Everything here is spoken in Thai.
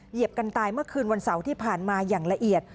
เหยียบกันตายเมื่อคืนวันเสาร์ที่ผ่านมาอย่างละเอียด